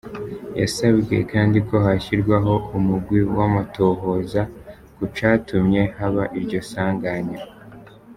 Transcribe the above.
Yasavye kandi ko hashirwaho umugwi w'amatohoza ku catumye haba iryo sanganya.